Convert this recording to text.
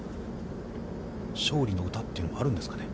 勝利の歌というのはあるんですかね。